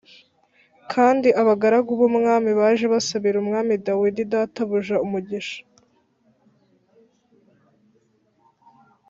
Kandi abagaragu b’umwami baje basabira Umwami Dawidi databuja umugisha